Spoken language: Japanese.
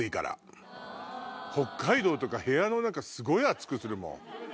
北海道とか部屋の中すごい暑くするもん。